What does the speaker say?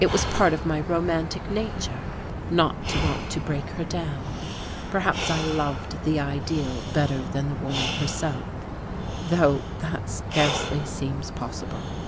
It was part of my romantic nature not to want to break her down. Perhaps I loved the ideal better than the woman herself, though that scarcely seems possible.